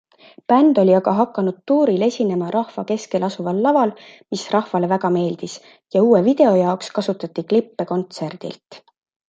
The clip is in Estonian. Bänd oli aga hakanud tuuril esinema rahva keskel asuval laval, mis rahvale väga meeldis, ja uue video jaoks kasutati klippe kontserdilt.